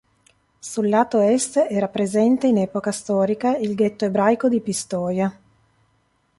Sul lato est era presente, in epoca storica, il ghetto ebraico di Pistoia.